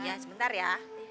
ya sebentar ya